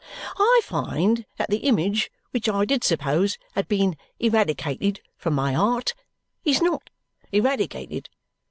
I find that the image which I did suppose had been eradicated from my 'eart is NOT eradicated.